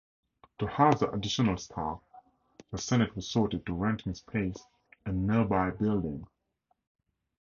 To house the additional staff, the Senate resorted to renting space in nearby buildings.